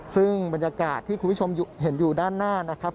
ซึ่งบรรยากาศที่คุณผู้ชมเห็นอยู่ด้านหน้านะครับ